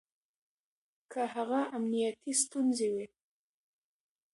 که هغه امنيتي ستونزې وي